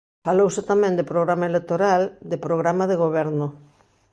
Falouse tamén de programa electoral, de programa de goberno.